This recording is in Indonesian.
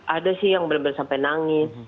ada sih yang benar benar sampai nangis